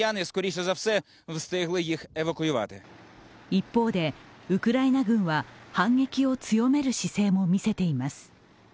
一方で、ウクライナ軍は反撃を強める姿勢も見せています。